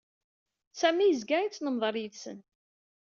Sami yezga ittnemḍaṛ yid-sen.